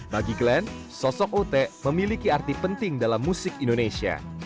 bagi glenn sosok ut memiliki arti penting dalam musik indonesia